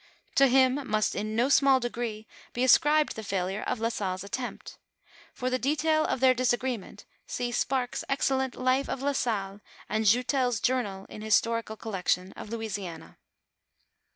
To him m\i8t in no snicl! degree be ascribed the failure of La Salle's attempt For the detail of their disagreement see Sparks's excellent life of La Salle, and Joutel's journal in Historical Colleclion of Louisiana.